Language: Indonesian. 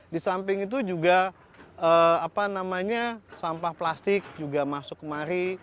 di samping itu juga sampah plastik juga masuk kemari